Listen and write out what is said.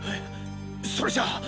それじゃあ。